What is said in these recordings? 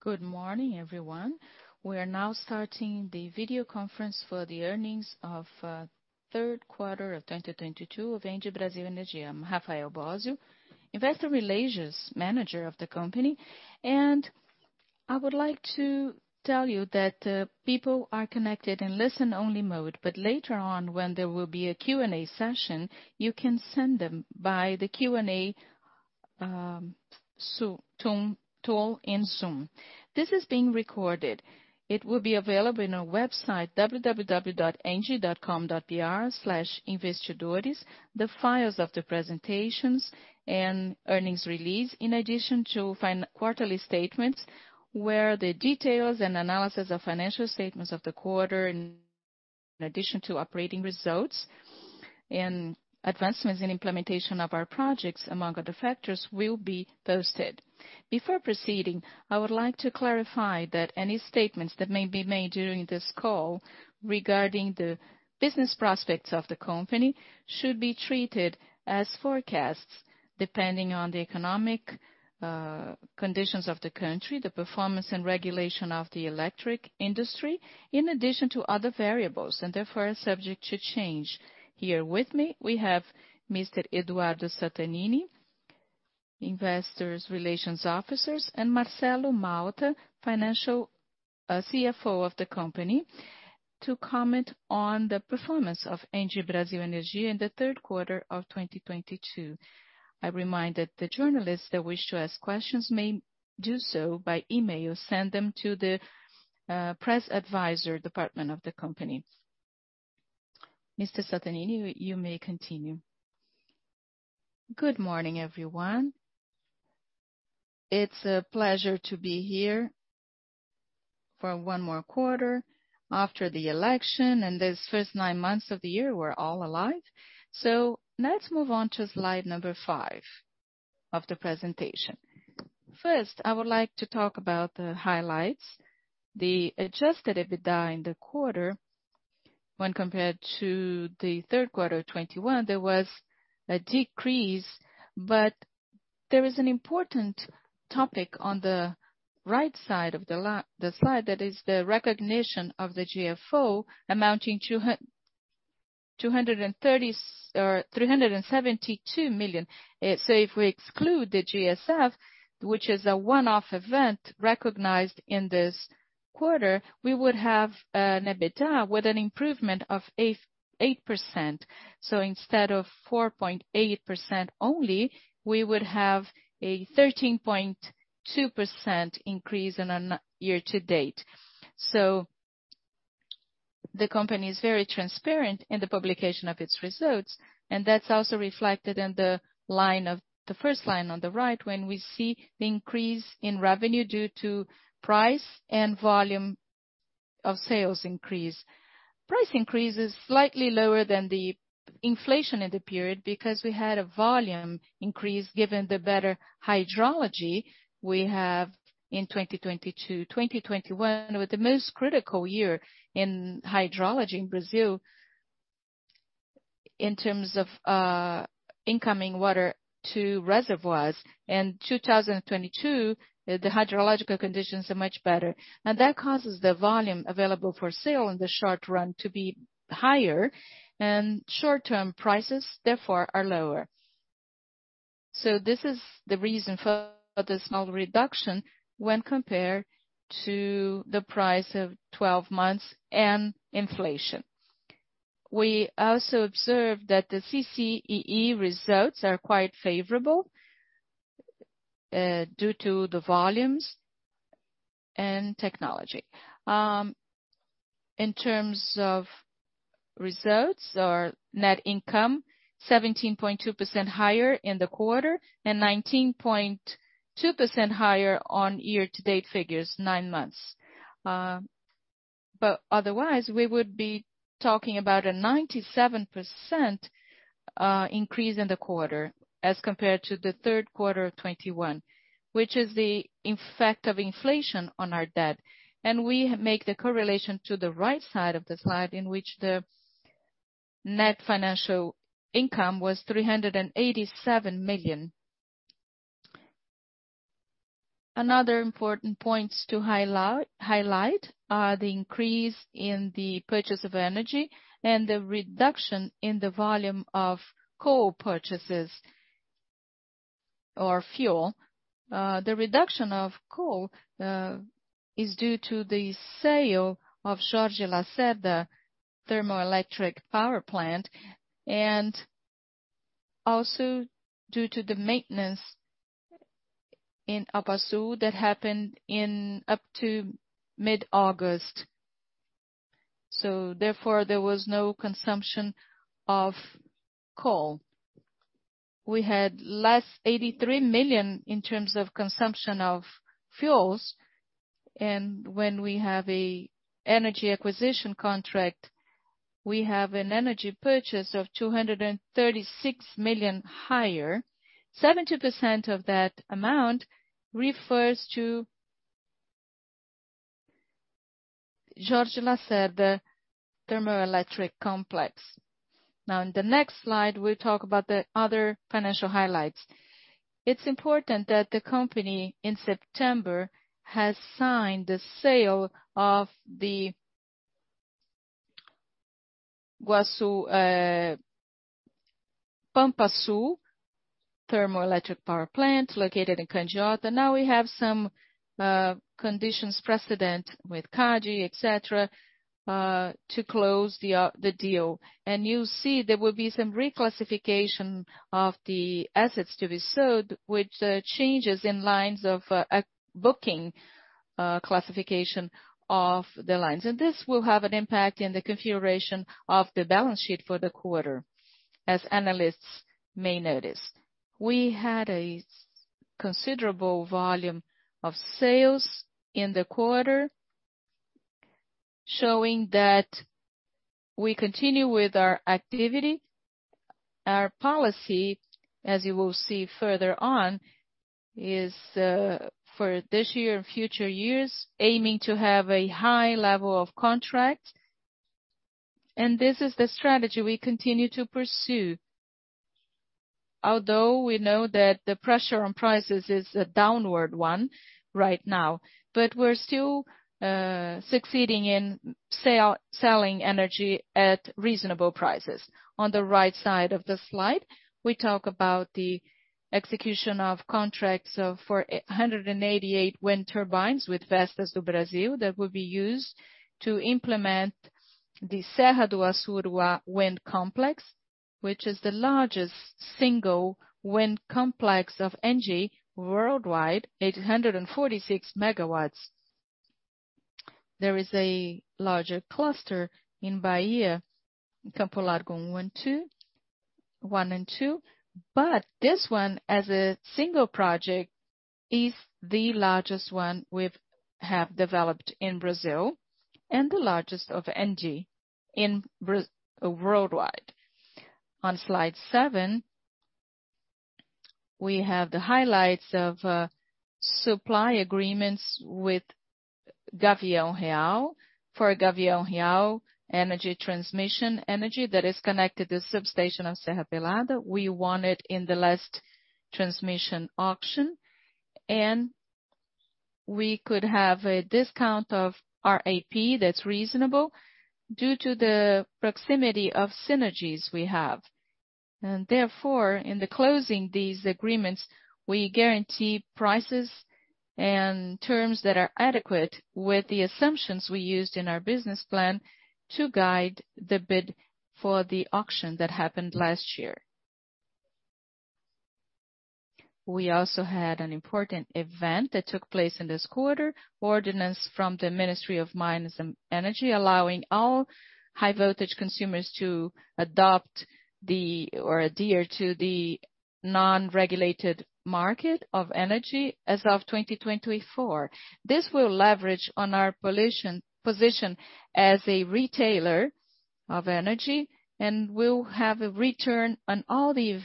Good morning, everyone. We are now starting the video conference for the earnings of Q3 of 2022 of ENGIE Brasil Energia. I'm Rafael Bosio, Investor Relations Manager of the company, and I would like to tell you that people are connected in listen-only mode, but later on, when there will be a Q&A session, you can send them by the Q&A tool in Zoom. This is being recorded. It will be available in our website, www.engie.com.br/investidores, the files of the presentations and earnings release, in addition to quarterly statements, where the details and analysis of financial statements of the quarter, in addition to operating results and advancements in implementation of our projects, among other factors, will be posted. Before proceeding, I would like to clarify that any statements that may be made during this call regarding the business prospects of the company should be treated as forecasts, depending on the economic conditions of the country, the performance and regulation of the electric industry, in addition to other variables, and therefore are subject to change. Here with me, we have Mr. Eduardo Sattamini, Investor Relations Officer, and Marcelo Malta, CFO of the company, to comment on the performance of ENGIE Brasil Energia in the Q3 of 2022. I remind that the journalists that wish to ask questions may do so by email. Send them to the press advisor department of the company. Mr. Sattamini, you may continue. Good morning, everyone. It's a pleasure to be here for one more quarter after the election, and this first nine months of the year, we're all alive. Let's move on to slide number five of the presentation. First, I would like to talk about the highlights. The adjusted EBITDA in the quarter, when compared to the Q3 of 2021, there was a decrease, but there is an important topic on the right side of the slide, that is the recognition of the GSF amounting to 372 million. If we exclude the GSF, which is a one-off event recognized in this quarter, we would have an EBITDA with an improvement of 8%. Instead of 4.8% only, we would have a 13.2% increase on a year-to-date. The company is very transparent in the publication of its results, and that's also reflected in the first line on the right, when we see the increase in revenue due to price and volume of sales increase. Price increase is slightly lower than the inflation in the period because we had a volume increase given the better hydrology we have in 2022. 2021 was the most critical year in hydrology in Brazil in terms of incoming water to reservoirs. In 2022, the hydrological conditions are much better, and that causes the volume available for sale in the short run to be higher, and short-term prices, therefore, are lower. This is the reason for the small reduction when compared to the price of twelve months and inflation. We also observed that the CCEE results are quite favorable, due to the volumes and technology. In terms of results or net income, 17.2% higher in the quarter and 19.2% higher on year-to-date figures, nine months. Otherwise, we would be talking about a 97% increase in the quarter as compared to the Q3 of 2021, which is the effect of inflation on our debt. We make the correlation to the right side of the slide in which the net financial income was 387 million. Another important points to highlight are the increase in the purchase of energy and the reduction in the volume of coal purchases or fuel. The reduction of coal is due to the sale of Jorge Lacerda Thermoelectric Power Plant and also due to the maintenance in Pampa Sul that happened up to mid-August. Therefore, there was no consumption of coal. We had 83 million less in terms of consumption of fuels. When we have an energy acquisition contract, we have an energy purchase of 236 million higher. 70% of that amount refers to Jorge Lacerda Thermoelectric Complex. Now in the next slide, we'll talk about the other financial highlights. It's important that the company in September has signed the sale of the Pampa Sul Thermoelectric Power Plant located in Candiota. Now we have some conditions precedent with CG, et cetera, to close the deal. You see there will be some reclassification of the assets to be sold, which changes in lines of accounting classification of the lines. This will have an impact in the configuration of the balance sheet for the quarter, as analysts may notice. We had a considerable volume of sales in the quarter, showing that we continue with our activity. Our policy, as you will see further on, is for this year and future years, aiming to have a high level of contract. This is the strategy we continue to pursue. Although we know that the pressure on prices is a downward one right now, but we're still succeeding in selling energy at reasonable prices. On the right side of the slide, we talk about the execution of contracts of 488 wind turbines with Vestas do Brasil that will be used to implement the Serra do Assuruá Wind Complex, which is the largest single wind complex of ENGIE worldwide, 846 MW. There is a larger cluster in Bahia, Campo Largo one, two, one and two, but this one, as a single project, is the largest one we've developed in Brazil and the largest of ENGIE worldwide. On slide seven, we have the highlights of supply agreements with Gavião Real. For Gavião Real energy transmission energy that is connected to the substation of Serra Pelada, we won it in the last transmission auction, and we could have a discount of our RAP that's reasonable due to the proximity of synergies we have. Therefore, in the closing these agreements, we guarantee prices and terms that are adequate with the assumptions we used in our business plan to guide the bid for the auction that happened last year. We also had an important event that took place in this quarter, ordinance from the Ministry of Mines and Energy, allowing all high-voltage consumers to adopt the, or adhere to the non-regulated market of energy as of 2024. This will leverage on our position as a retailer of energy and will have a return on all the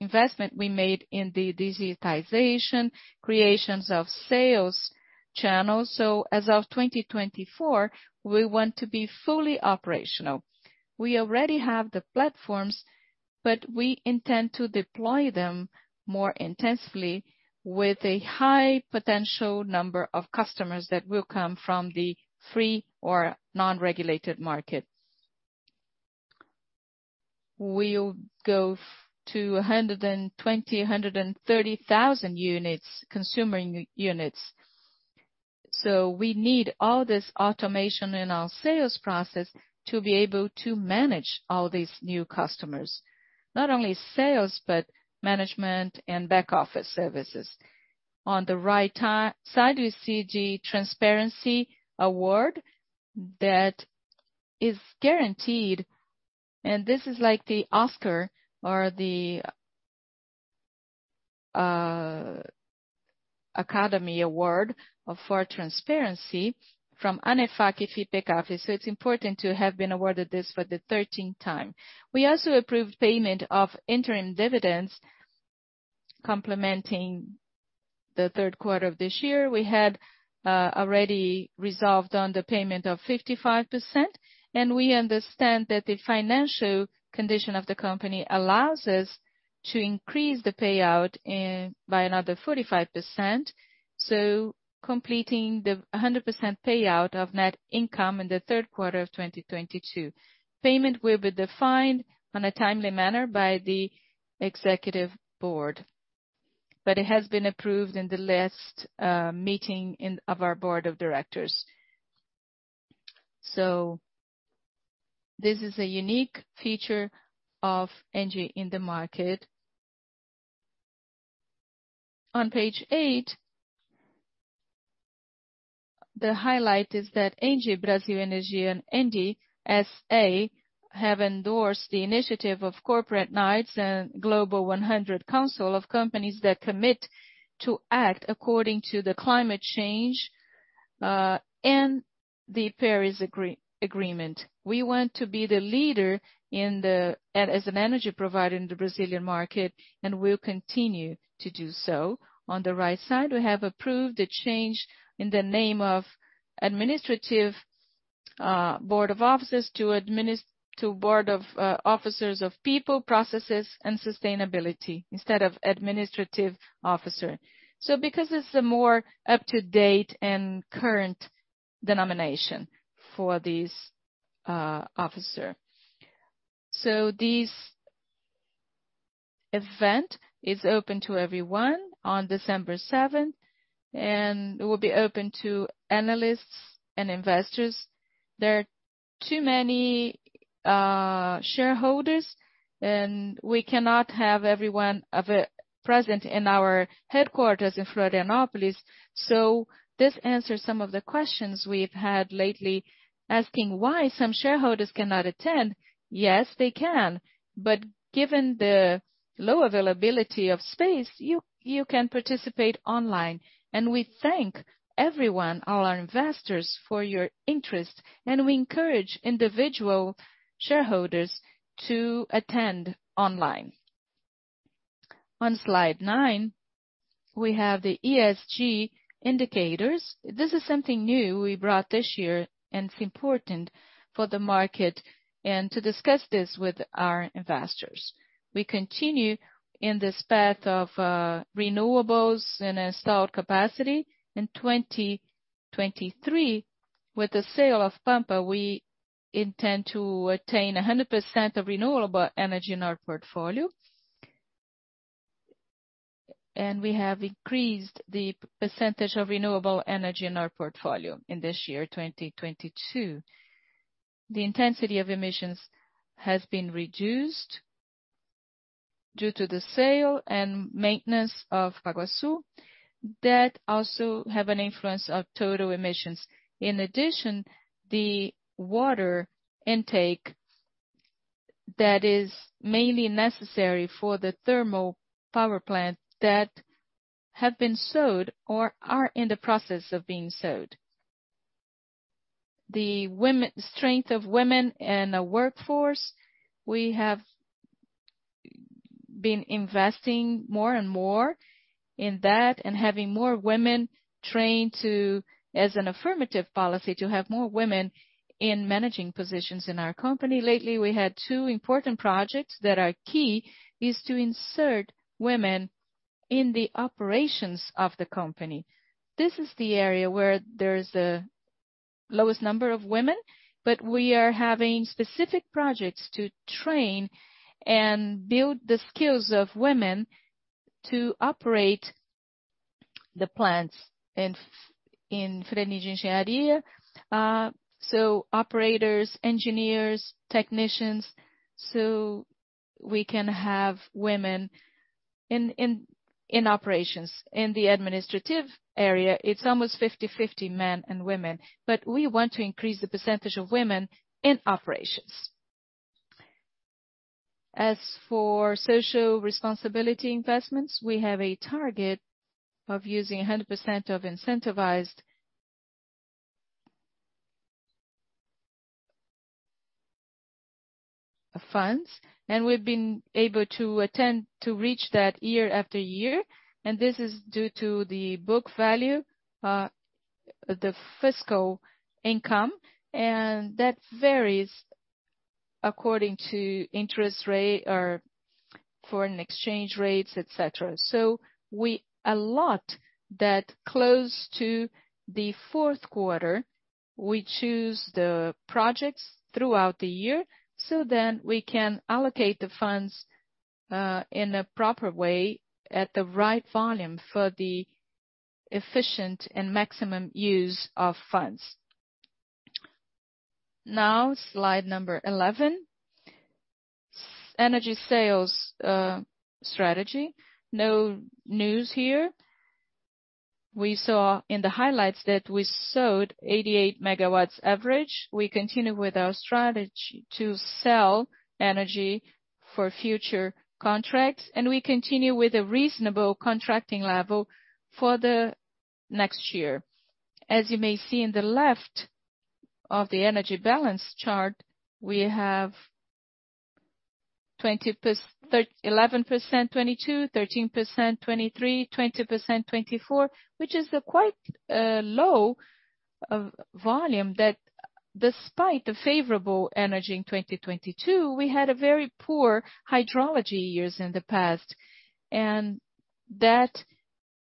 investment we made in the digitization, creations of sales channels. As of 2024, we want to be fully operational. We already have the platforms, but we intend to deploy them more intensively with a high potential number of customers that will come from the free or non-regulated market. We'll go to 120-130 thousand units, consumer units. We need all this automation in our sales process to be able to manage all these new customers. Not only sales, but management and back office services. On the right side, you see the Transparency Award that is guaranteed, and this is like the Oscar or the Academy Award for Transparency from ANEFAC and Fipecafi. It's important to have been awarded this for the 13th time. We also approved payment of interim dividends complementing the Q3 of this year. We had already resolved on the payment of 55%, and we understand that the financial condition of the company allows us to increase the payout by another 45%, so completing the 100% payout of net income in the Q3 of 2022. Payment will be defined on a timely manner by the executive board, but it has been approved in the last meeting of our board of directors. This is a unique feature of ENGIE in the market. On page eight, the highlight is that ENGIE Brasil Energia and ENGIE SA have endorsed the initiative of Corporate Knights and Global 100 Council of companies that commit to act according to the climate change and the Paris Agreement. We want to be the leader as an energy provider in the Brazilian market, and we'll continue to do so. On the right side, we have approved a change in the name of Administrative Board of Officers to Board of Officers of People, Processes and Sustainability instead of Administrative Officer. Because it's a more up-to-date and current denomination for this officer. This event is open to everyone on December seventh, and it will be open to analysts and investors. There are too many shareholders, and we cannot have everyone present in our headquarters in Florianópolis. This answers some of the questions we've had lately, asking why some shareholders cannot attend. Yes, they can, but given the low availability of space, you can participate online. We thank everyone, all our investors, for your interest, and we encourage individual shareholders to attend online. On slide nine, we have the ESG indicators. This is something new we brought this year, and it's important for the market and to discuss this with our investors. We continue in this path of renewables and installed capacity. In 2023, with the sale of Pampa, we intend to attain 100% of renewable energy in our portfolio. We have increased the percentage of renewable energy in our portfolio in this year, 2022. The intensity of emissions has been reduced due to the sale and maintenance of Pampa Sul that also have an influence of total emissions. In addition, the water intake that is mainly necessary for the thermal power plant that have been sold or are in the process of being sold. The strength of women in the workforce, we have been investing more and more in that and having more women trained to, as an affirmative policy, to have more women in managing positions in our company. Lately, we had two important projects that are key, is to insert women in the operations of the company. This is the area where there is the lowest number of women, but we are having specific projects to train and build the skills of women to operate the plants in engineering. So operators, engineers, technicians, so we can have women in operations. In the administrative area, it's almost 50/50 men and women, but we want to increase the percentage of women in operations. As for social responsibility investments, we have a target of using 100% of incentivized funds, and we've been able to attain that year after year. This is due to the book value, the fiscal income, and that varies according to interest rate or foreign exchange rates, et cetera. We allot that close to the Q4. We choose the projects throughout the year, so then we can allocate the funds in a proper way at the right volume for the efficient and maximum use of funds. Now, slide number 11. Energy sales strategy. No news here. We saw in the highlights that we sold 88 MW average. We continue with our strategy to sell energy for future contracts, and we continue with a reasonable contracting level for the next year. As you may see on the left of the energy balance chart, we have 11%, 2022, 13%, 2023, 20%, 2024, which is a quite low volume that despite the favorable energy in 2022, we had very poor hydrological years in the past, and that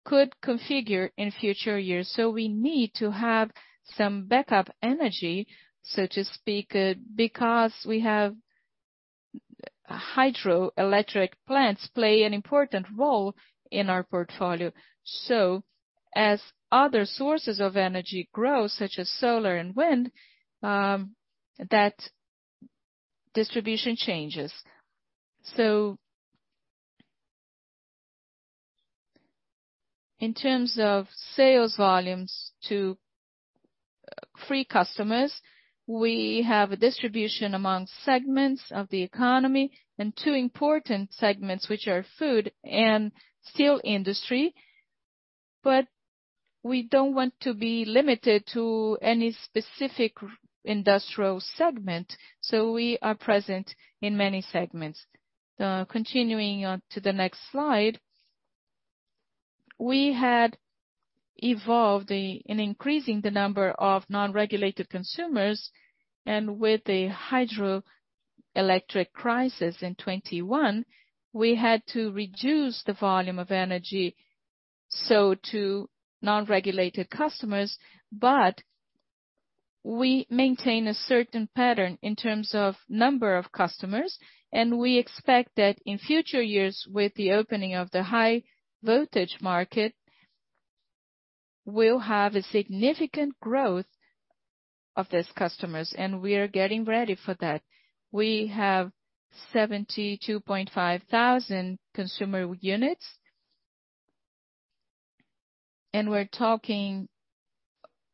could configure in future years. We need to have some backup energy, so to speak, because we have hydroelectric plants play an important role in our portfolio. As other sources of energy grow, such as solar and wind, that distribution changes. In terms of sales volumes to free customers, we have a distribution among segments of the economy and two important segments, which are food and steel industry. We don't want to be limited to any specific industrial segment, so we are present in many segments. Continuing on to the next slide. We had evolved in increasing the number of non-regulated consumers, and with the hydroelectric crisis in 2021, we had to reduce the volume of energy, so to non-regulated customers. We maintain a certain pattern in terms of number of customers, and we expect that in future years, with the opening of the high voltage market, we'll have a significant growth of these customers, and we are getting ready for that. We have 72.5 thousand consumer units. We're talking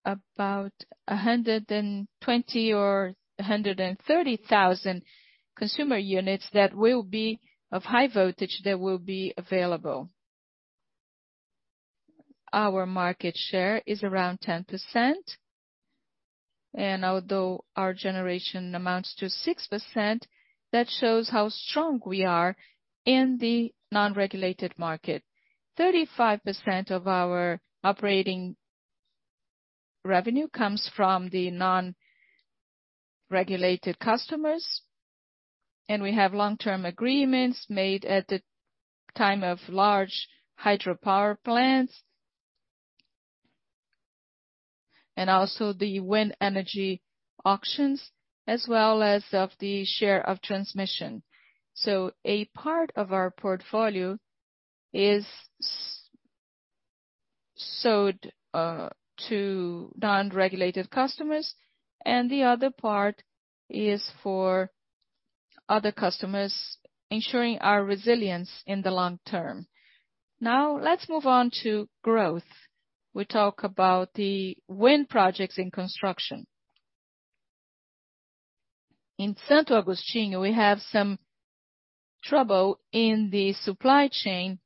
about 120 or 130 thousand consumer units that will be of high voltage that will be available. Our market share is around 10%, and although our generation amounts to 6%, that shows how strong we are in the non-regulated market. 35% of our operating revenue comes from the non-regulated customers, and we have long-term agreements made at the time of large hydropower plants. Also the wind energy auctions, as well as of the share of transmission. A part of our portfolio is sold to non-regulated customers, and the other part is for other customers, ensuring our resilience in the long term. Now let's move on to growth. We talk about the wind projects in construction. In Santo Agostinho, we have some trouble in the supply chain,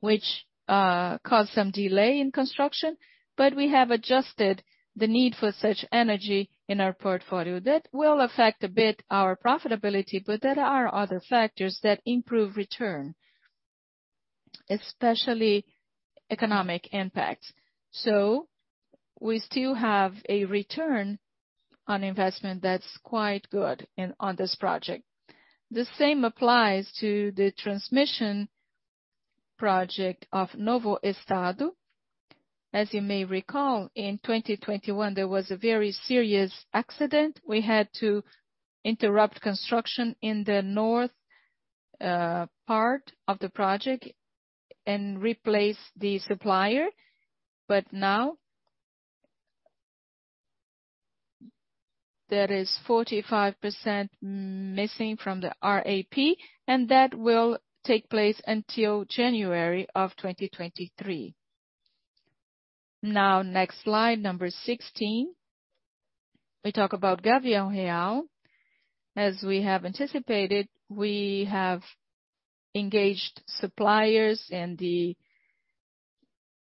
which caused some delay in construction, but we have adjusted the need for such energy in our portfolio. That will affect a bit our profitability, but there are other factors that improve return, especially economic impacts. We still have a return on investment that's quite good on this project. The same applies to the transmission project of Novo Estado. As you may recall, in 2021, there was a very serious accident. We had to interrupt construction in the north part of the project and replace the supplier. Now, there is 45% missing from the RAP, and that will take place until January of 2023. Now next slide, number 16. We talk about Gavião Real. As we have anticipated, we have engaged suppliers and the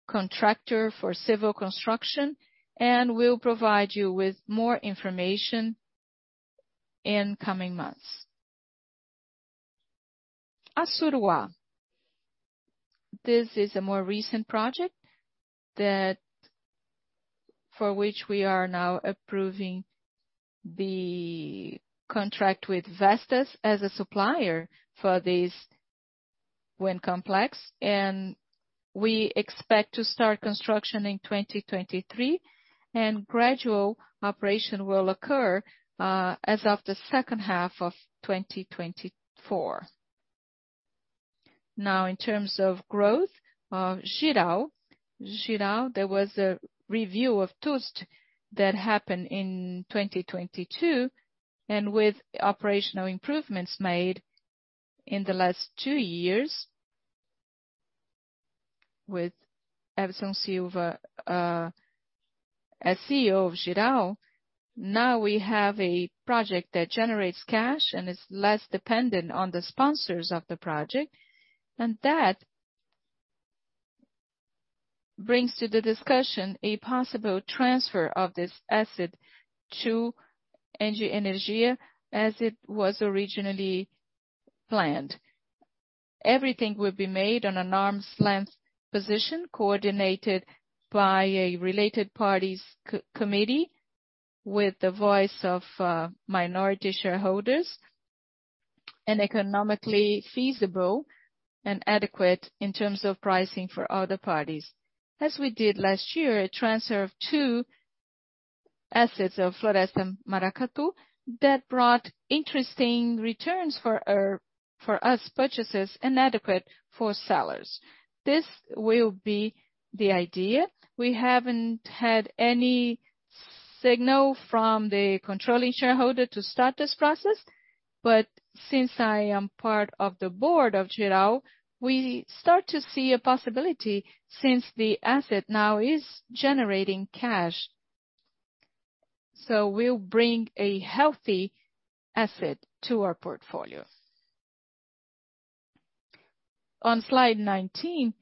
contractor for civil construction, and we'll provide you with more information in coming months. Assuruá. This is a more recent project that for which we are now approving the contract with Vestas as a supplier for this wind complex. We expect to start construction in 2023, and gradual operation will occur, as of the H2 of 2024. Now, in terms of growth, Jirau. Jirau, there was a review of TUST that happened in 2022, and with operational improvements made in the last two years with Edson Silva as CEO of Jirau, now we have a project that generates cash and is less dependent on the sponsors of the project. That brings to the discussion a possible transfer of this asset to ENGIE Energia, as it was originally planned. Everything will be made on an arm's length position, coordinated by a related party's committee, with the voice of minority shareholders, and economically feasible and adequate in terms of pricing for other parties. As we did last year, a transfer of two assets, Floresta and Paracatu, that brought interesting returns for us purchasers and adequate for sellers. This will be the idea. We haven't had any signal from the controlling shareholder to start this process, but since I am part of the board of Jirau, we start to see a possibility since the asset now is generating cash. We'll bring a healthy asset to our portfolio. On slide 19,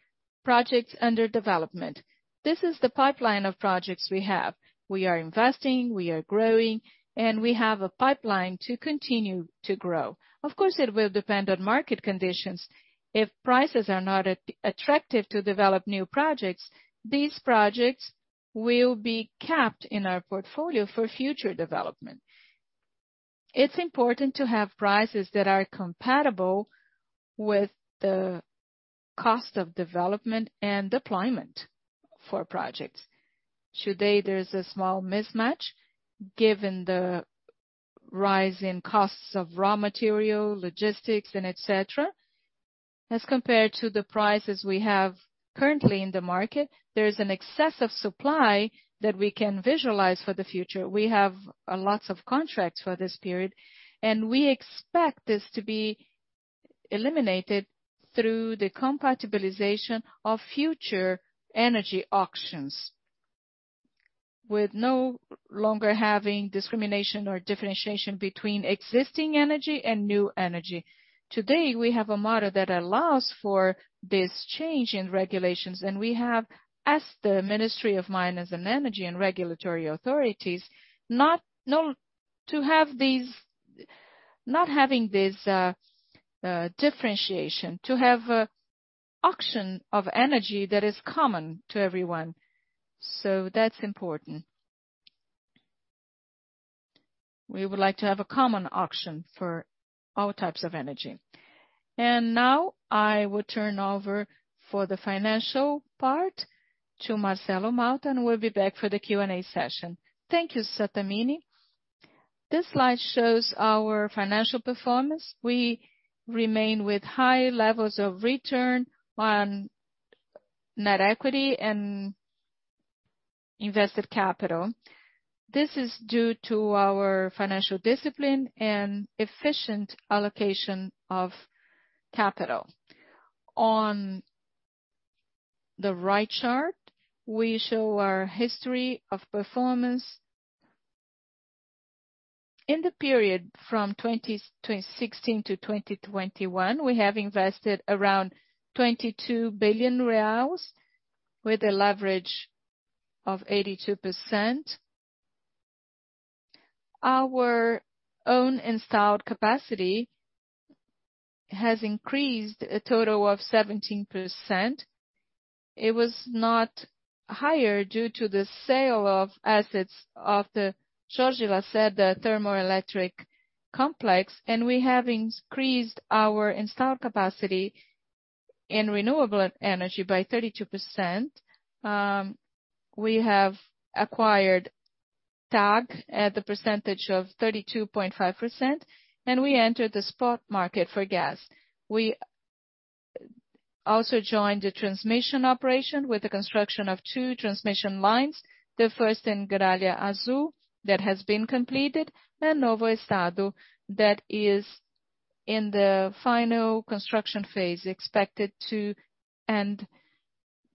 projects under development. This is the pipeline of projects we have. We are investing, we are growing, and we have a pipeline to continue to grow. Of course, it will depend on market conditions. If prices are not attractive to develop new projects, these projects will be capped in our portfolio for future development. It's important to have prices that are compatible with the cost of development and deployment for projects. Today, there is a small mismatch given the rise in costs of raw material, logistics and et cetera, as compared to the prices we have currently in the market. There is an excessive supply that we can visualize for the future. We have lots of contracts for this period, and we expect this to be eliminated through the compatibilization of future energy auctions, with no longer having discrimination or differentiation between existing energy and new energy. Today, we have a model that allows for this change in regulations, and we have asked the Ministry of Mines and Energy and regulatory authorities not to have this differentiation, to have auction of energy that is common to everyone. That's important. We would like to have a common auction for all types of energy. Now I will turn over for the financial part to Marcelo Malta, and we'll be back for the Q&A session. Thank you, Sattamini. This slide shows our financial performance. We remain with high levels of return on net equity and invested capital. This is due to our financial discipline and efficient allocation of capital. On the right chart, we show our history of performance. In the period from 2016 to 2021, we have invested around 22 billion reais with a leverage of 82%. Our own installed capacity has increased a total of 17%. It was not higher due to the sale of assets of the Jorge Lacerda Thermoelectric Complex. We have increased our installed capacity in renewable energy by 32%. We have acquired TAG at the percentage of 32.5%, and we entered the spot market for gas. We also joined the transmission operation with the construction of two transmission lines, the first in Gralha Azul that has been completed, and Novo Estado that is in the final construction phase, expected to end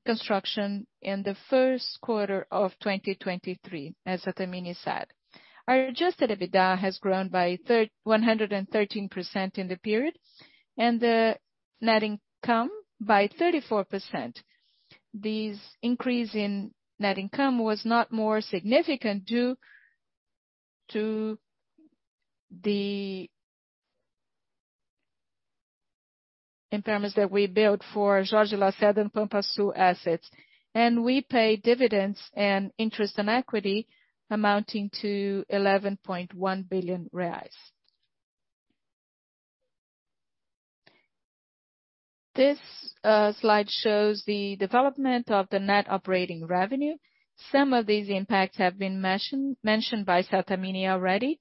construction in the Q1 of 2023, as Sattamini said. Our adjusted EBITDA has grown by 113% in the period, and the net income by 34%. This increase in net income was not more significant due to the impairments that we booked for Jorge Lacerda and Pampa Sul assets. We paid dividends and interest on equity amounting to 11.1 billion reais. This slide shows the development of the net operating revenue. Some of these impacts have been mentioned by Sattamini already.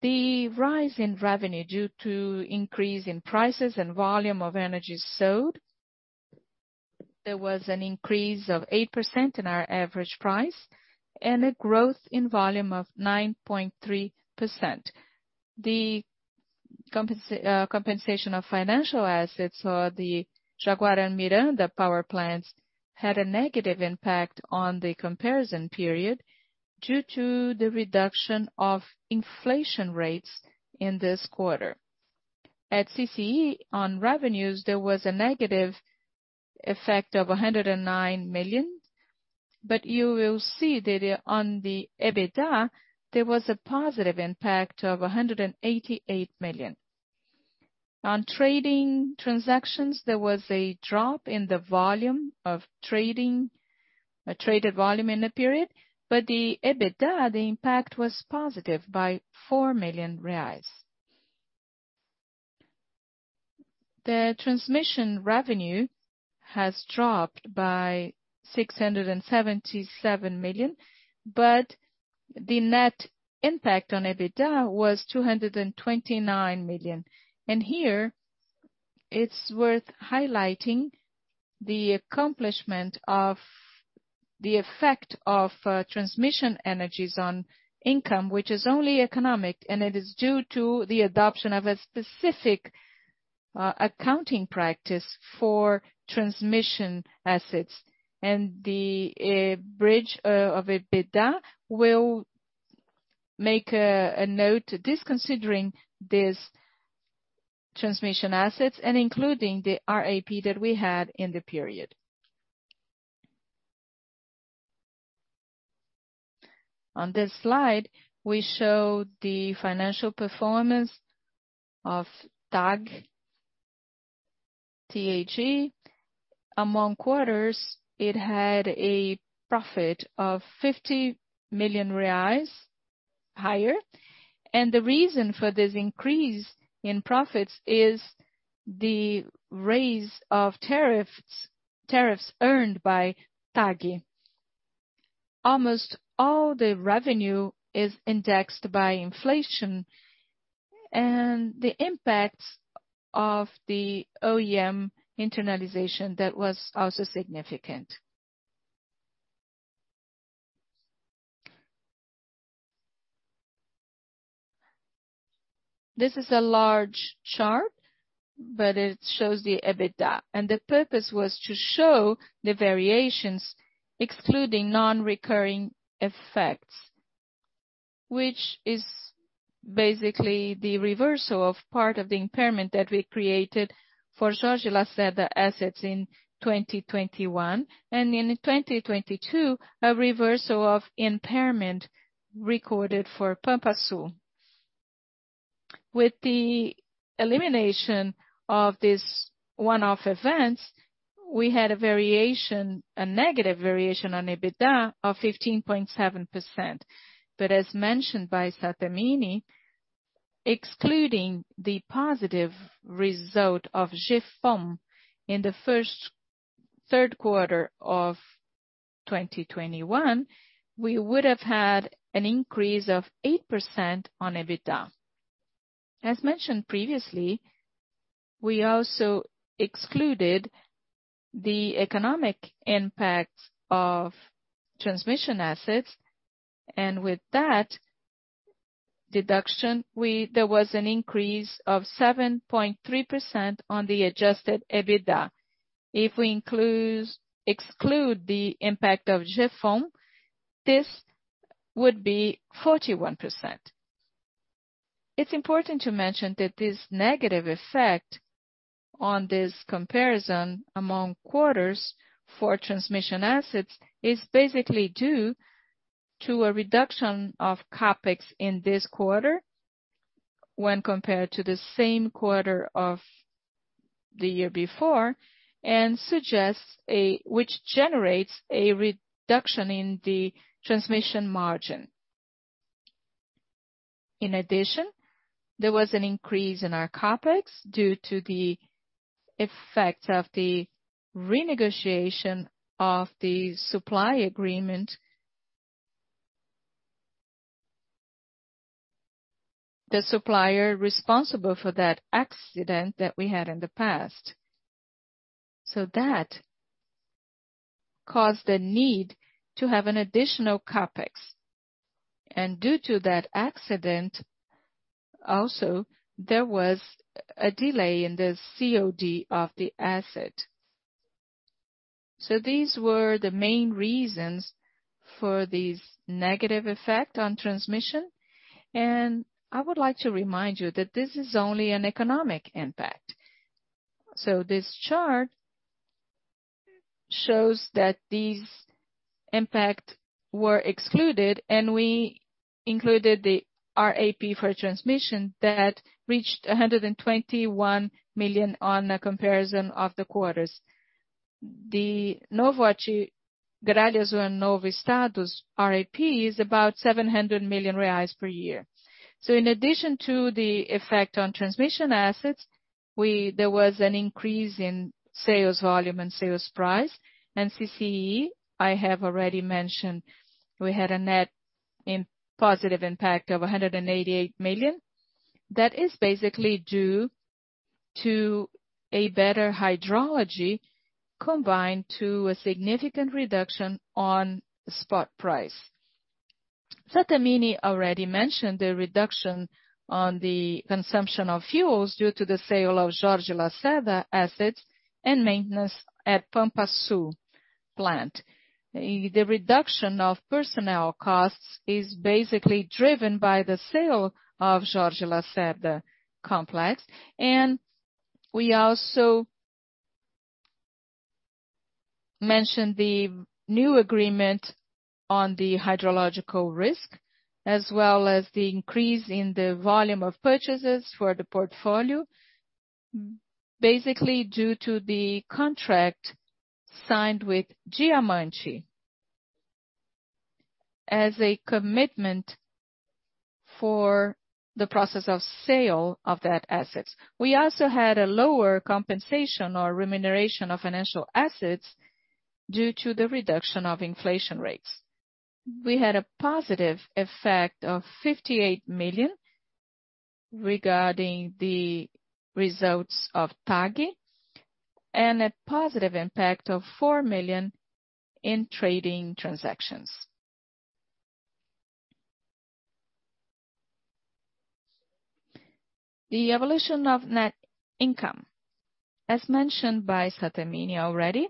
The rise in revenue due to increase in prices and volume of energy sold, there was an increase of 8% in our average price and a growth in volume of 9.3%. The compensation of financial assets or the Jaguara and Miranda power plants had a negative impact on the comparison period due to the reduction of inflation rates in this quarter. At CCEE, on revenues, there was a negative effect of 109 million, but you will see that, on the EBITDA, there was a positive impact of 188 million. On trading transactions, there was a drop in the volume of trading, traded volume in the period, but the EBITDA, the impact was positive by 4 million reais. The transmission revenue has dropped by 677 million, but the net impact on EBITDA was 229 million. Here it's worth highlighting the accounting of the effect of transmission revenues on income, which is only economic, and it is due to the adoption of a specific accounting practice for transmission assets. The bridge of EBITDA will make a note disregarding these transmission assets and including the RAP that we had in the period. On this slide, we show the financial performance of TAG. QoQ, it had a profit of 50 million reais higher. The reason for this increase in profits is the rise of tariffs earned by TAG. Almost all the revenue is indexed by inflation and the impact of the O&M internalization that was also significant. This is a large chart, but it shows the EBITDA, and the purpose was to show the variations excluding non-recurring effects, which is basically the reversal of part of the impairment that we created for Jorge Lacerda assets in 2021, and in 2022, a reversal of impairment recorded for Pampa Sul. With the elimination of these one-off events, we had a negative variation on EBITDA of 15.7%. As mentioned by Sattamini, excluding the positive result of GSF in the first and Q3 of 2021, we would have had an increase of 8% on EBITDA. As mentioned previously, we also excluded the economic impact of transmission assets, and with that deduction, there was an increase of 7.3% on the adjusted EBITDA. If we exclude the impact of GSF, this would be 41%. It's important to mention that this negative effect on this comparison among quarters for transmission assets is basically due to a reduction of CapEx in this quarter when compared to the same quarter of the year before, and which generates a reduction in the transmission margin. In addition, there was an increase in our CapEx due to the effect of the renegotiation of the supply agreement. The supplier responsible for that accident that we had in the past. That caused a need to have an additional CapEx. Due to that accident, also, there was a delay in the COD of the asset. These were the main reasons for this negative effect on transmission, and I would like to remind you that this is only an economic impact. This chart shows that these impacts were excluded, and we included the RAP for transmission that reached 121 million on a comparison of the quarters. The Novo Estado, Gralha Azul, Novo Estado RAP is about 700 million reais per year. In addition to the effect on transmission assets, there was an increase in sales volume and sales price. CCEE, I have already mentioned, we had a net positive impact of 188 million. That is basically due to a better hydrology combined with a significant reduction in spot price. Sattamini already mentioned the reduction in the consumption of fuels due to the sale of Jorge Lacerda assets and maintenance at Pampa Sul plant. The reduction of personnel costs is basically driven by the sale of Jorge Lacerda complex. We also mentioned the new agreement on the hydrological risk, as well as the increase in the volume of purchases for the portfolio, basically due to the contract signed with Diamante as a commitment for the process of sale of that assets. We also had a lower compensation or remuneration of financial assets due to the reduction of inflation rates. We had a positive effect of 58 million regarding the results of TAG, and a positive impact of 4 million in trading transactions. The evolution of net income. As mentioned by Sattamini already,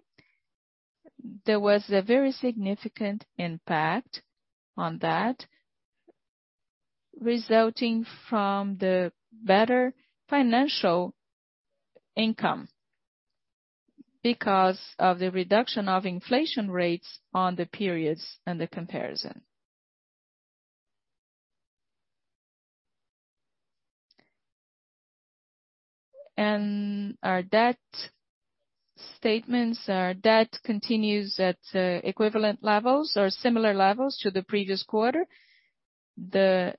there was a very significant impact on that, resulting from the better financial income because of the reduction of inflation rates on the periods and the comparison. Our debt statements. Our debt continues at equivalent levels or similar levels to the previous quarter. The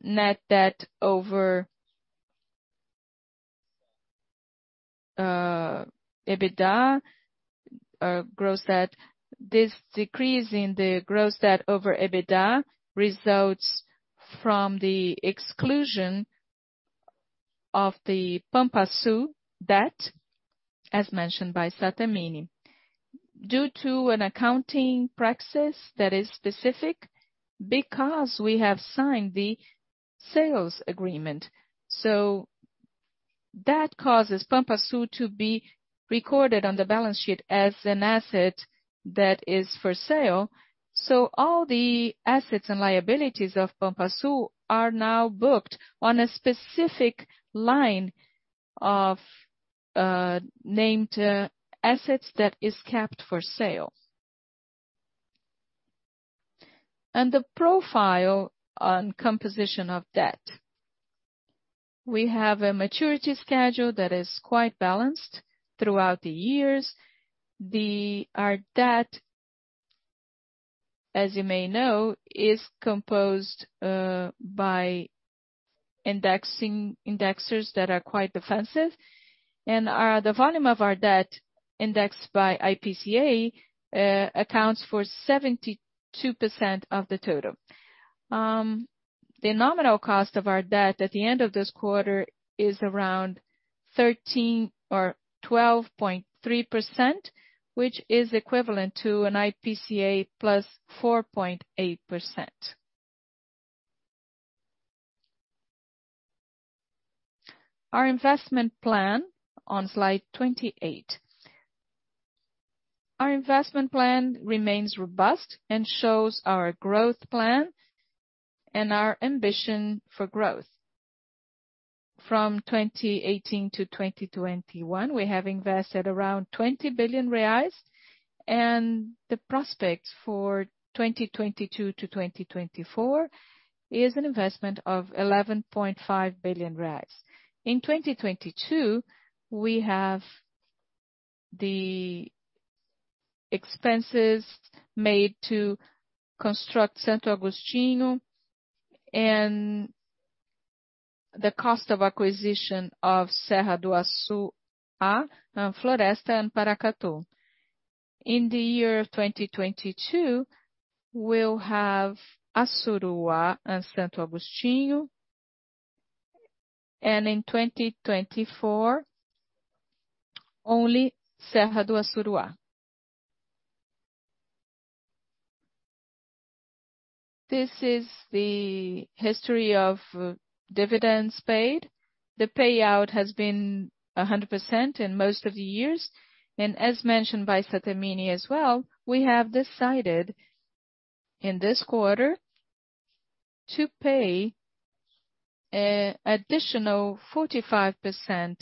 net debt over EBITDA, gross debt. This decrease in the gross debt over EBITDA results from the exclusion of the Pampa Sul debt, as mentioned by Sattamini, due to an accounting practice that is specific because we have signed the sales agreement. That causes Pampa Sul to be recorded on the balance sheet as an asset that is for sale. All the assets and liabilities of Pampa Sul are now booked on a specific line of named assets that is kept for sale. The profile on composition of debt. We have a maturity schedule that is quite balanced throughout the years. Our debt, as you may know, is composed by indexing indexers that are quite defensive. The volume of our debt indexed by IPCA accounts for 72% of the total. The nominal cost of our debt at the end of this quarter is around 13% or 12.3%, which is equivalent to an IPCA plus 4.8%. Our investment plan on slide 28. Our investment plan remains robust and shows our growth plan and our ambition for growth. From 2018 to 2021, we have invested around 20 billion reais, and the prospects for 2022 to 2024 is an investment of 11.5 billion. In 2022, we have the expenses made to construct Santo Agostinho and the cost of acquisition of Serra do Assuruá, Floresta and Paracatu. In the year of 2022, we'll have Assuruá and Santo Agostinho. In 2024, only Serra do Assuruá. This is the history of dividends paid. The payout has been 100% in most of the years. As mentioned by Sattamini as well, we have decided in this quarter to pay additional 45%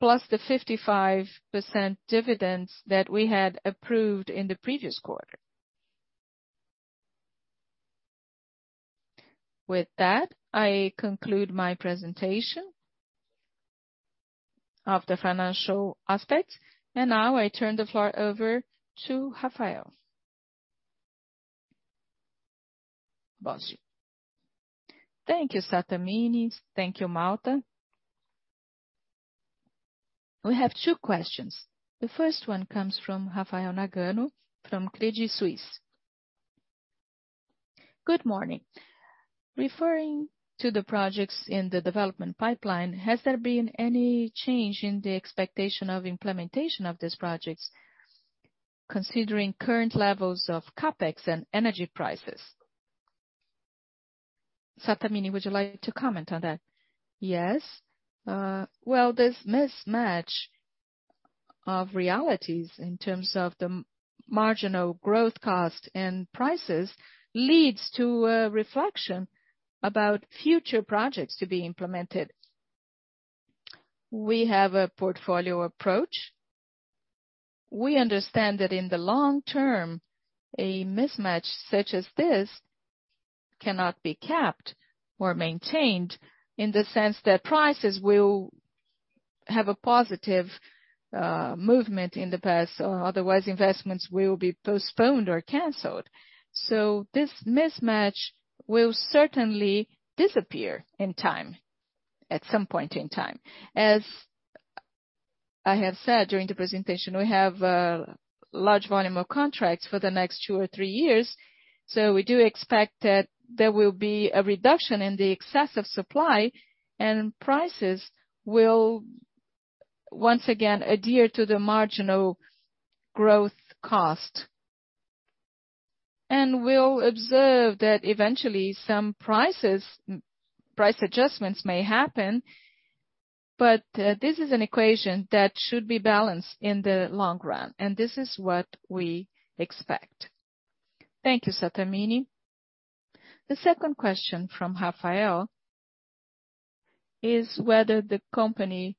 plus the 55% dividends that we had approved in the previous quarter. With that, I conclude my presentation of the financial aspects. Now I turn the floor over to Rafael. Thank you, Sattamini. Thank you, Malta. We have two questions. The first one comes from Rafael Nagano from Credit Suisse. Good morning. Referring to the projects in the development pipeline, has there been any change in the expectation of implementation of these projects, considering current levels of CapEx and energy prices? Sattamini, would you like to comment on that? Yes. Well, this mismatch of realities in terms of the marginal growth cost and prices leads to a reflection about future projects to be implemented. We have a portfolio approach. We understand that in the long term, a mismatch such as this cannot be capped or maintained in the sense that prices will have a positive movement in the future, otherwise investments will be postponed or canceled. This mismatch will certainly disappear in time, at some point in time. As I have said during the presentation, we have a large volume of contracts for the next two or three years. We do expect that there will be a reduction in the excess of supply and prices will once again adhere to the marginal cost. We'll observe that eventually some price adjustments may happen, but this is an equation that should be balanced in the long run, and this is what we expect. Thank you, Sattamini. The second question from Rafael is whether the company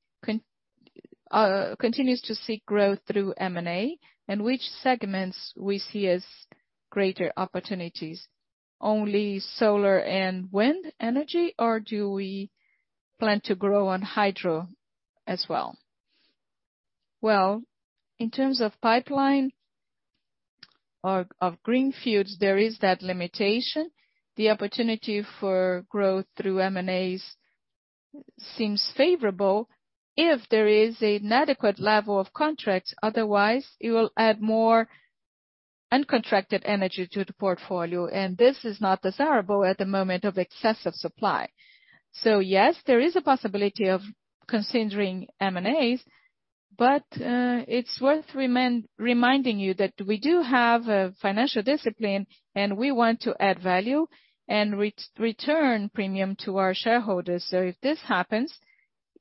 continues to seek growth through M&A, and which segments we see as greater opportunities. Only solar and wind energy or do we plan to grow on hydro as well? Well, in terms of pipeline or of green fields, there is that limitation. The opportunity for growth through M&As seems favorable if there is an adequate level of contracts, otherwise you will add more uncontracted energy to the portfolio, and this is not desirable at the moment of excessive supply. Yes, there is a possibility of considering M&As, but it's worth reminding you that we do have a financial discipline, and we want to add value and return premium to our shareholders. If this happens,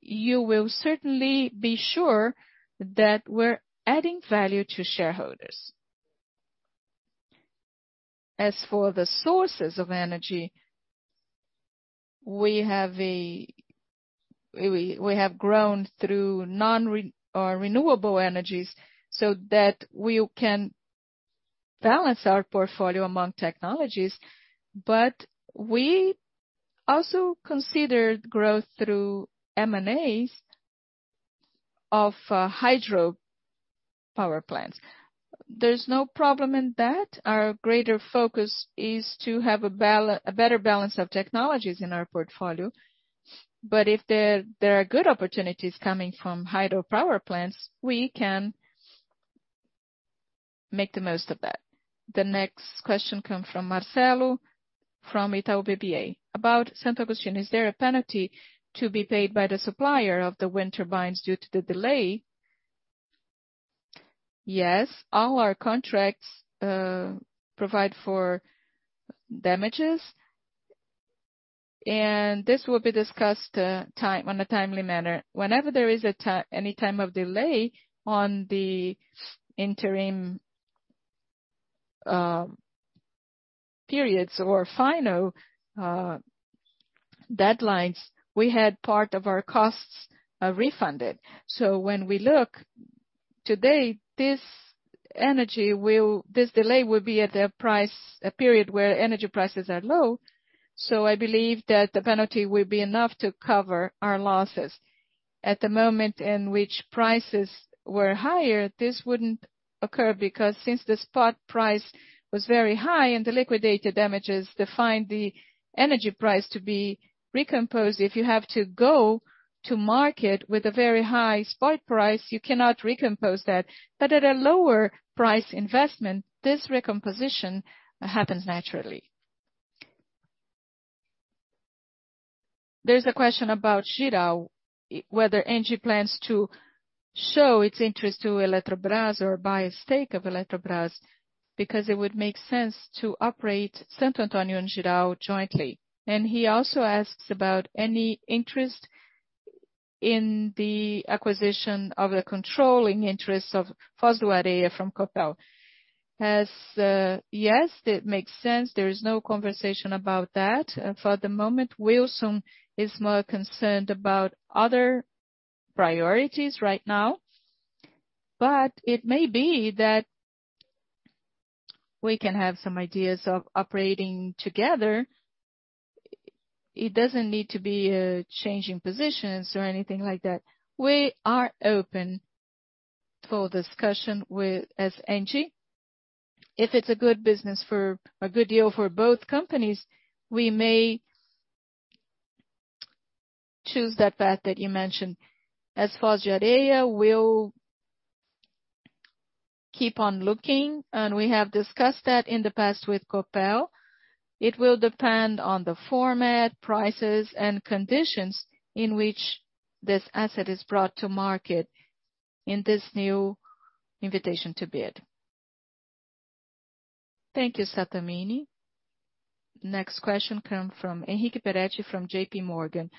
you will certainly be sure that we're adding value to shareholders. As for the sources of energy, we have grown through non-renewable or renewable energies so that we can balance our portfolio among technologies. We also consider growth through M&As of hydropower plants. There's no problem in that. Our greater focus is to have a better balance of technologies in our portfolio. If there are good opportunities coming from hydropower plants, we can make the most of that. The next question comes from Marcelo from Itaú BBA about Santo Agostinho. Is there a penalty to be paid by the supplier of the wind turbines due to the delay? Yes, all our contracts provide for damages, and this will be discussed in a timely manner. Whenever there is any time of delay on the interim periods or final deadlines, we had part of our costs refunded. When we look today, this delay will be at a price, a period where energy prices are low. I believe that the penalty will be enough to cover our losses. At the moment in which prices were higher, this wouldn't occur because since the spot price was very high and the liquidated damages defined the energy price to be recomposed, if you have to go to market with a very high spot price, you cannot recompose that. At a lower price investment, this recomposition happens naturally. There's a question about Jirau, whether ENGIE plans to show its interest to Eletrobras or buy a stake of Eletrobras because it would make sense to operate Santo Antônio and Jirau jointly. He also asks about any interest in the acquisition of the controlling interest of Foz do Areia from Copel. Yes, it makes sense. There is no conversation about that. For the moment, Wilson is more concerned about other priorities right now. It may be that we can have some ideas of operating together. It doesn't need to be a change in positions or anything like that. We are open for discussion with ENGIE. If it's a good business, a good deal for both companies, we may choose that path that you mentioned. Yes, Foz do Areia will keep on looking, and we have discussed that in the past with Copel. It will depend on the format, prices, and conditions in which this asset is brought to market in this new invitation to bid. Thank you, Sattamini. Next question comes from Henrique Peretti from JPMorgan.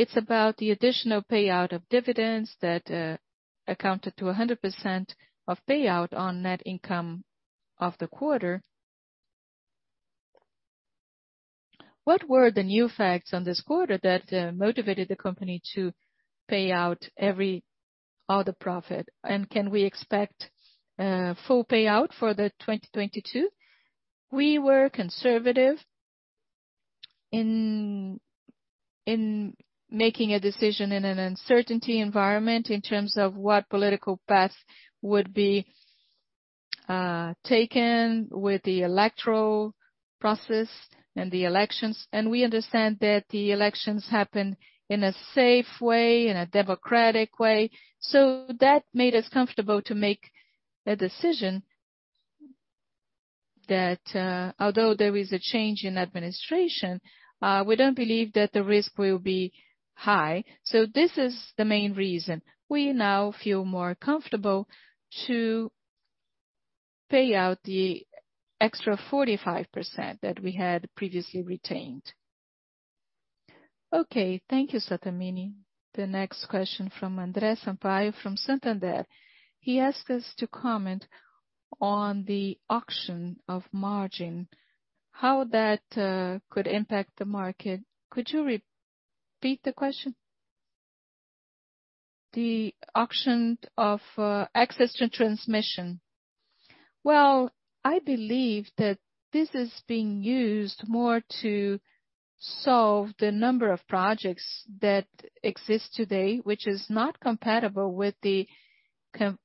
It's about the additional payout of dividends that amounted to 100% of payout on net income of the quarter. What were the new facts on this quarter that motivated the company to pay out every other profit? Can we expect full payout for 2022? We were conservative in making a decision in an uncertain environment in terms of what political path would be taken with the electoral process and the elections. We understand that the elections happen in a safe way, in a democratic way. That made us comfortable to make the decision that although there is a change in administration, we don't believe that the risk will be high. This is the main reason. We now feel more comfortable to pay out the extra 45% that we had previously retained. Okay. Thank you, Sattamini. The next question from Andre Sampaio from Santander. He asked us to comment on the auction of access to transmission, how that could impact the market. Could you repeat the question? The auction of access to transmission. Well, I believe that this is being used more to solve the number of projects that exist today, which is not compatible with the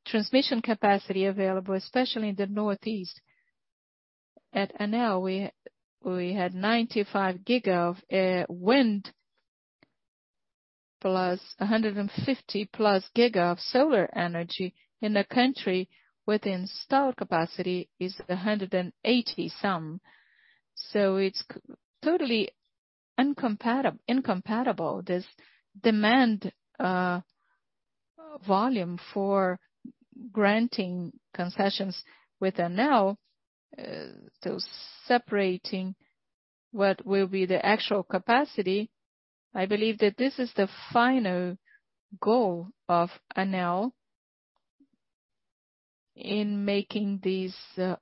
transmission capacity available, especially in the Northeast. At ENGIE, we had 95 GW of wind, plus 150+ GW of solar energy in the country while storage capacity is 180 some. So it's totally incompatible this demand volume for granting concessions with ENGIE to separating what will be the actual capacity. I believe that this is the final goal of Enel in making these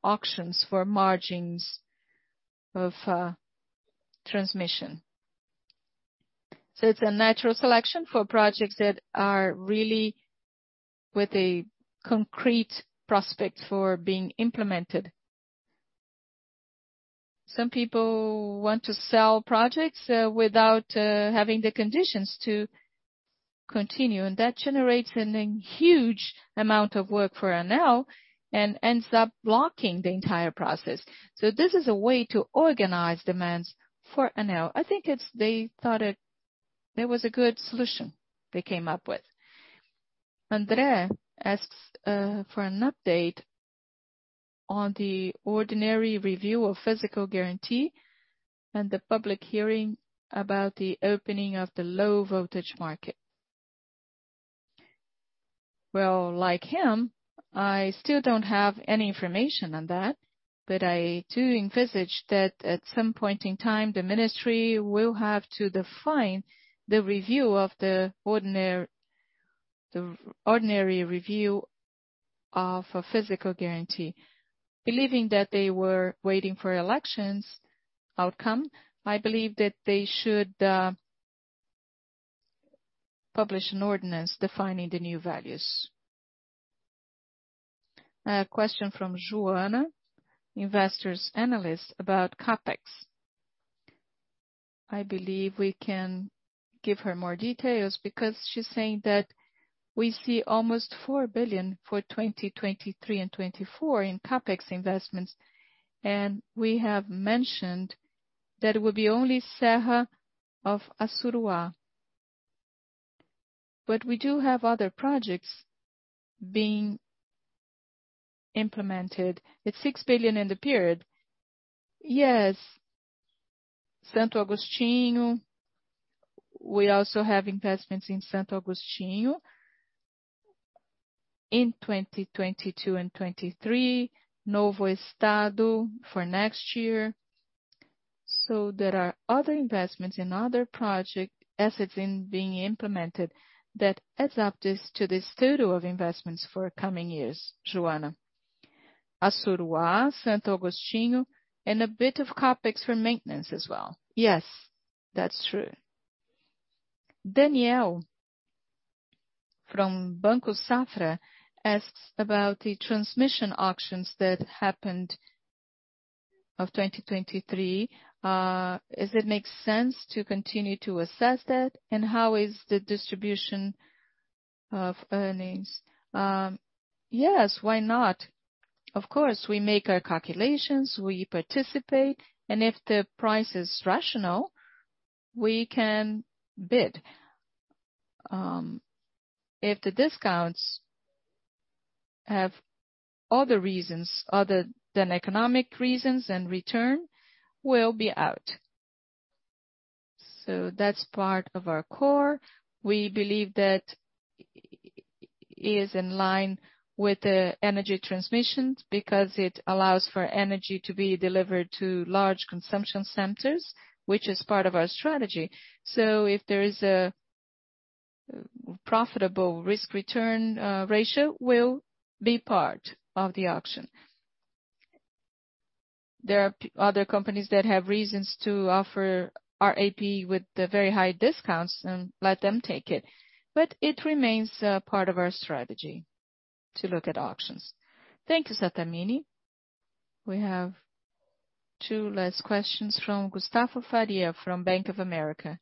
auctions for margins of transmission. It's a natural selection for projects that are really with a concrete prospect for being implemented. Some people want to sell projects without having the conditions to continue, and that generates a huge amount of work for Enel and ends up blocking the entire process. This is a way to organize demands for Enel. I think they thought it was a good solution they came up with. Andrea asks for an update on the ordinary review of physical guarantee and the public hearing about the opening of the low voltage market. Well, like him, I still don't have any information on that, but I do envisage that at some point in time, the ministry will have to define the review of the ordinary review of a physical guarantee. Believing that they were waiting for elections outcome, I believe that they should publish an ordinance defining the new values. A question from Joana, investor analyst about CapEx. I believe we can give her more details because she's saying that we see almost 4 billion for 2023 and 2024 in CapEx investments, and we have mentioned that it will be only Serra do Assuruá. We do have other projects being implemented. It's 6 billion in the period. Yes. Santo Agostinho. We also have investments in Santo Agostinho in 2022 and 2023. Novo Estado for next year. There are other investments in other project assets in being implemented that adds up this to this total of investments for coming years, Joana. Açú, Santo Agostinho, and a bit of CapEx for maintenance as well. Yes, that's true. Daniel Travitzky from Banco Safra asks about the transmission auctions that happened of 2023. Does it make sense to continue to assess that? And how is the distribution of earnings? Yes, why not? Of course, we make our calculations, we participate, and if the price is rational, we can bid. If the discounts have other reasons other than economic reasons and return, we'll be out. That's part of our core. We believe that is in line with the energy transition because it allows for energy to be delivered to large consumption centers, which is part of our strategy. If there is a profitable risk-return ratio, we'll be part of the auction. There are other companies that have reasons to offer RAP with the very high discounts and let them take it. But it remains part of our strategy to look at auctions. Thank you, Sattamini. We have two last questions from Gustavo Faria from Bank of America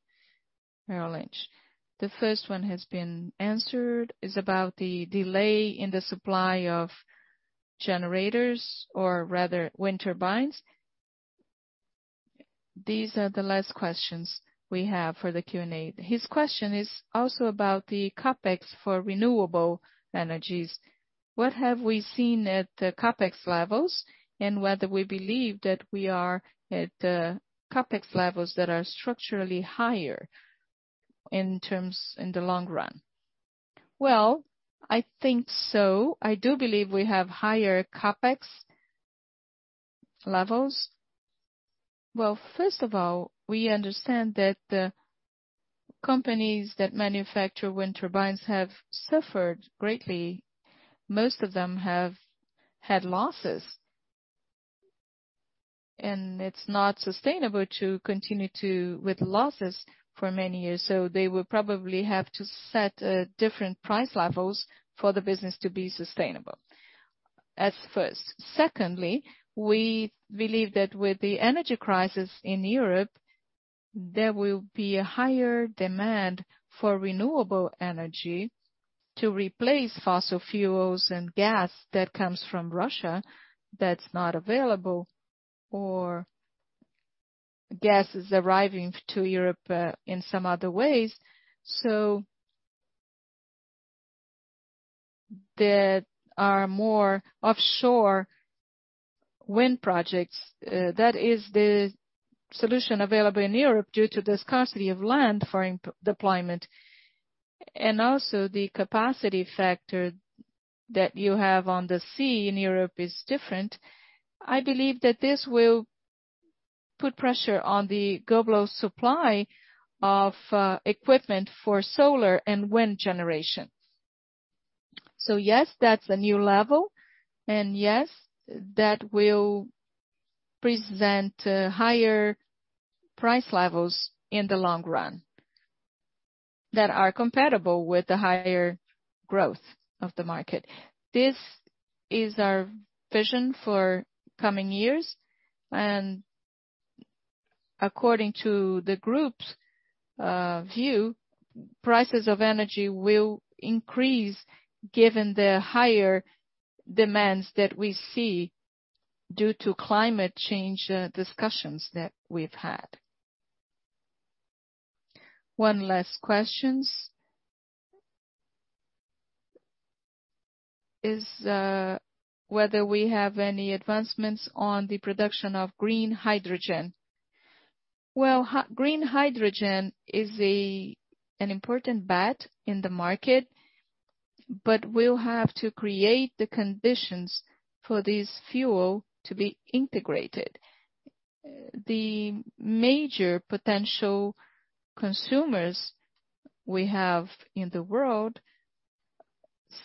Merrill Lynch. The first one has been answered. It's about the delay in the supply of generators or rather wind turbines. These are the last questions we have for the Q&A. His question is also about the CapEx for renewable energies. What have we seen at the CapEx levels and whether we believe that we are at CapEx levels that are structurally higher in terms in the long run? Well, I think so. I do believe we have higher CapEx levels. Well, first of all, we understand that the companies that manufacture wind turbines have suffered greatly. Most of them have had losses. It's not sustainable to continue with losses for many years. They will probably have to set different price levels for the business to be sustainable. At first. Secondly, we believe that with the energy crisis in Europe, there will be a higher demand for renewable energy to replace fossil fuels and gas that comes from Russia that's not available, or gas is arriving to Europe in some other ways. There are more offshore wind projects. That is the solution available in Europe due to the scarcity of land for deployment. Also the capacity factor that you have on the sea in Europe is different. I believe that this will put pressure on the global supply of equipment for solar and wind generation. Yes, that's a new level, and yes, that will present higher price levels in the long run that are compatible with the higher growth of the market. This is our vision for coming years, and according to the group's view, prices of energy will increase given the higher demands that we see due to climate change discussions that we've had. One last question. Is whether we have any advancements on the production of green hydrogen. Well, green hydrogen is an important bet in the market, but we'll have to create the conditions for this fuel to be integrated. The major potential consumers we have in the world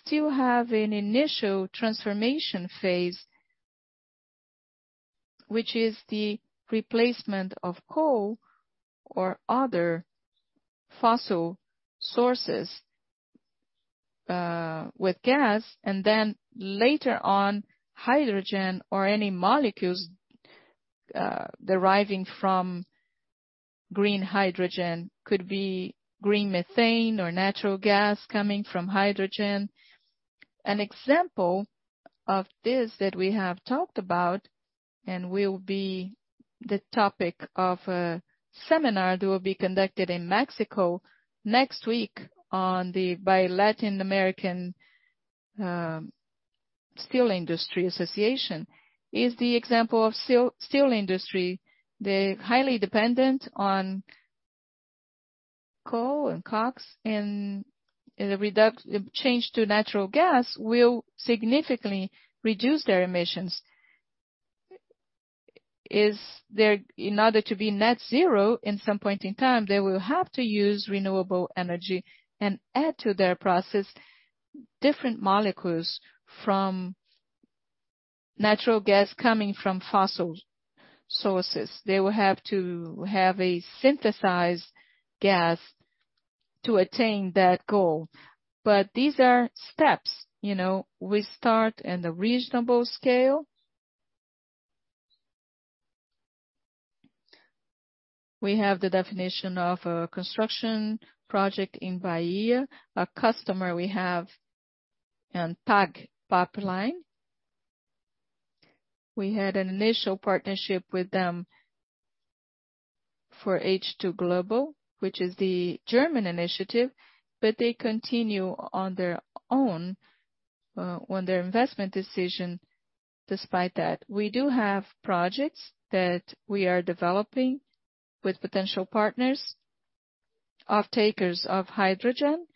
still have an initial transformation phase, which is the replacement of coal or other fossil sources with gas, and then later on, hydrogen or any molecules deriving from green hydrogen. Could be green methane or natural gas coming from hydrogen. An example of this that we have talked about, and will be the topic of a seminar that will be conducted in Mexico next week by Alacero, is the example of steel industry. They're highly dependent on coal and cokes, and the change to natural gas will significantly reduce their emissions. In order to be net zero in some point in time, they will have to use renewable energy and add to their process different molecules from natural gas coming from fossil sources. They will have to have a synthesized gas to attain that goal. These are steps, you know. We start in the reasonable scale. We have the definition of a construction project in Bahia. A customer we have in TAG Pipeline. We had an initial partnership with them for H2Global, which is the German initiative, but they continue on their own, on their investment decision despite that. We do have projects that we are developing with potential partners, off takers of hydrogen.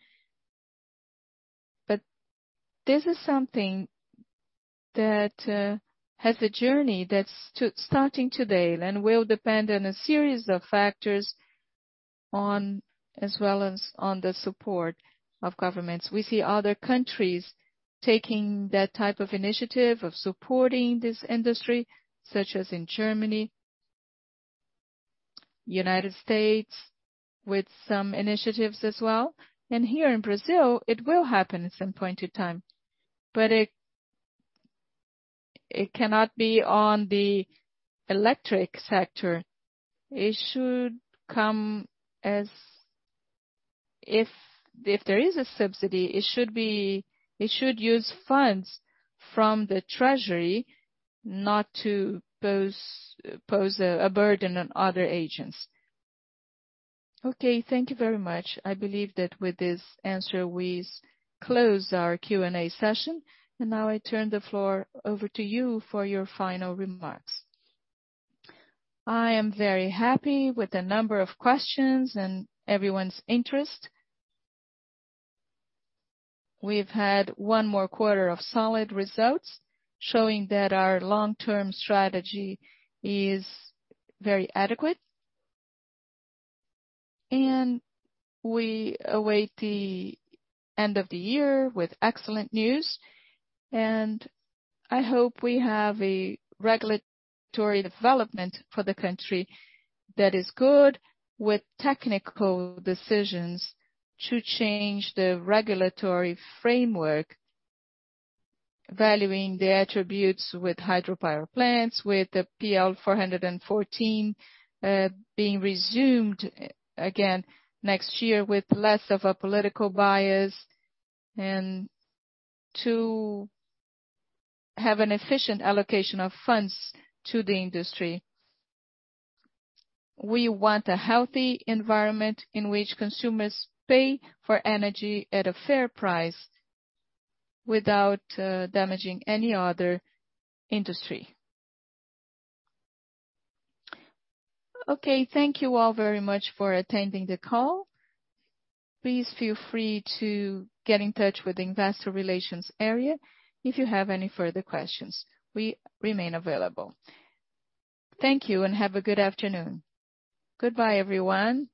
This is something that has a journey that starting today and will depend on a series of factors, as well as on the support of governments. We see other countries taking that type of initiative, of supporting this industry, such as in Germany. United States with some initiatives as well. Here in Brazil, it will happen at some point in time, but it cannot be on the electric sector. It should come as if there is a subsidy, it should be it should use funds from the treasury not to pose a burden on other agents. Okay, thank you very much. I believe that with this answer, we close our Q&A session, and now I turn the floor over to you for your final remarks. I am very happy with the number of questions and everyone's interest. We've had one more quarter of solid results, showing that our long-term strategy is very adequate. We await the end of the year with excellent news, and I hope we have a regulatory development for the country that is good with technical decisions to change the regulatory framework, valuing the attributes with hydropower plants, with the PL 414 being resumed again next year with less of a political bias, and to have an efficient allocation of funds to the industry. We want a healthy environment in which consumers pay for energy at a fair price without damaging any other industry. Okay, thank you all very much for attending the call. Please feel free to get in touch with the investor relations area if you have any further questions. We remain available. Thank you and have a good afternoon. Goodbye, everyone.